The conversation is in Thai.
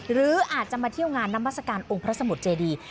หรืออาจจะมาเที่ยวงานนามัศกาลองค์พระสมุทรเจดี